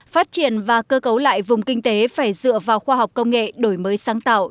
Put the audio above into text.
phát triển và cơ cấu lại vùng kinh tế phải dựa vào khoa học công nghệ đổi mới sáng tạo